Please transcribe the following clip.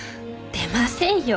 出ませんよ